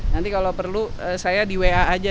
nanti kalau perlu saya di wa aja